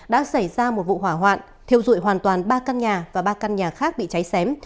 đã xảy ra một vụ hỏa hoạn thiêu dụi hoàn toàn ba căn nhà và ba căn nhà khác bị cháy xém